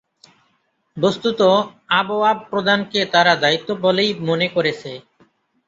বস্ত্তত আবওয়াব প্রদানকে তারা দায়িত্ব বলেই মনে করেছে।